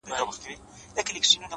پرون مي دومره اوښكي توى كړې گراني!